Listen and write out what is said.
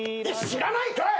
知らないんかい。